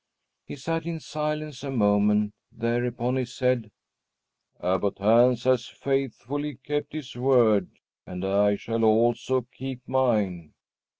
He sat in silence a moment; thereupon he said, "Abbot Hans has faithfully kept his word and I shall also keep mine."